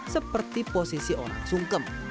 seperti posisi orang sungkem